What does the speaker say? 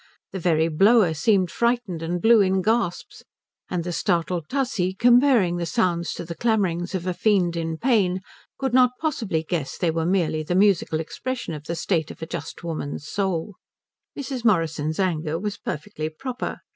The very blower seemed frightened, and blew in gasps; and the startled Tussie, comparing the sounds to the clamourings of a fiend in pain, could not possibly guess they were merely the musical expression of the state of a just woman's soul. Mrs. Morrison's anger was perfectly proper.